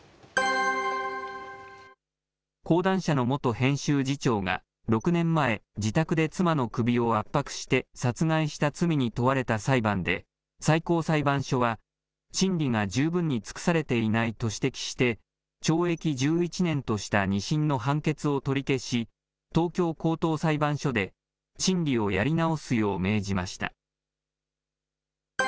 講談社の元編集次長が６年前、自宅で妻の首を圧迫して殺害した罪に問われた裁判で、最高裁判所は、審理が十分に尽くされていないと指摘して、懲役１１年とした２審の判決を取り消し、東京高等裁判所で審理をやり直すよう命じました。